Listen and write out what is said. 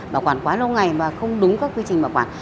bảo quản quá lâu ngày mà không đúng các quy trình bảo quản